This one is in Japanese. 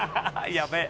やべえ！」